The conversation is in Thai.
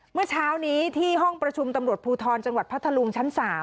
เมื่อเช้านี้ที่ห้องประชุมตำรวจภูทรจังหวัดพัทธลุงชั้น๓